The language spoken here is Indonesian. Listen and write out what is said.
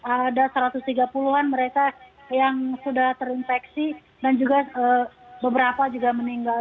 ada satu ratus tiga puluh an mereka yang sudah terinfeksi dan juga beberapa juga meninggal